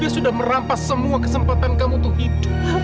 dia sudah merampas semua kesempatan kamu untuk hidup